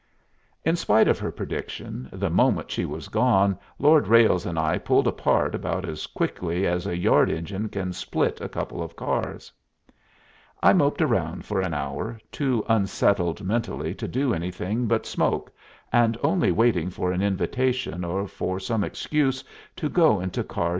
In spite of her prediction, the moment she was gone Lord Ralles and I pulled apart about as quickly as a yard engine can split a couple of cars. I moped around for an hour, too unsettled mentally to do anything but smoke, and only waiting for an invitation or for some excuse to go into 218.